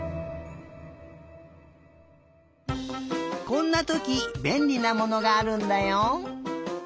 こんなときべんりなものがあるんだよ。